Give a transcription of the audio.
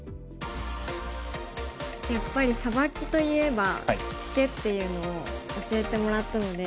やっぱりサバキといえばツケっていうのを教えてもらったので。